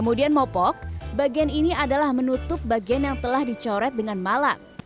lalu ngelawong bagian ini adalah menutup bagian yang telah dilihat alphabet ph et al